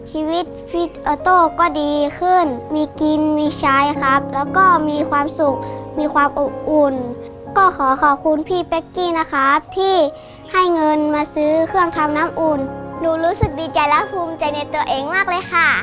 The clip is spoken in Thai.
หนูรู้สึกดีใจและภูมิใจในตัวเองมากเลยค่ะ